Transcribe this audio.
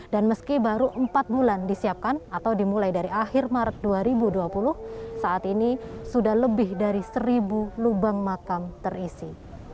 dan meski baru empat bulan disiapkan atau dimulai dari akhir maret dua ribu dua puluh saat ini sudah lebih dari seribu lubang makam terisi